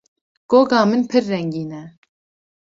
Goga min pir rengîn e.